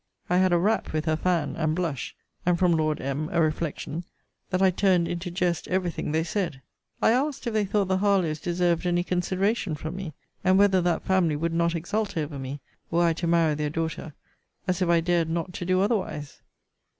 I had a rap with her fan, and blush; and from Lord M. a reflection, That I turn'd into jest every thing they said. I asked, if they thought the Harlowes deserved any consideration from me? And whether that family would not exult over me, were I to marry their daughter, as if I dared not to do otherwise?